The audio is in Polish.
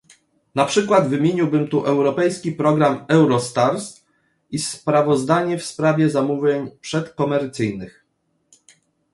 Na przykład, wymieniłbym tu europejski program Eurostars i sprawozdanie w sprawie zamówień przedkomercyjnych